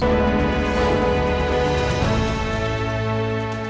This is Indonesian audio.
ketika penegakan hukum di tarsius